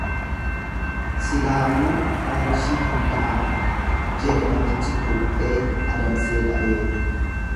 Silaafuu foonshii hin mi'aawu jedhe namichi kuruphee adamsee dhabee.